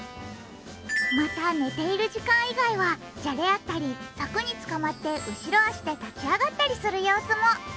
また、寝ている時間以外はじゃれ合ったり柵につかまって後ろ脚で立ち上がったりする様子も。